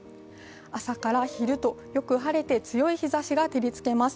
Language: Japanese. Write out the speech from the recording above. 朝から昼と、よく晴れて、強い日ざしが照りつけます。